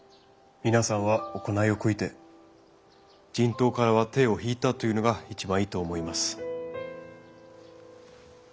皆さんは行いを悔いて人痘からは手を引いたというのが一番いいと思います。